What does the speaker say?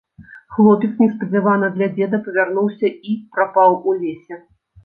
Хлопец неспадзявана для дзеда павярнуўся і прапаў у лесе.